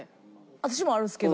私もあるんですけど。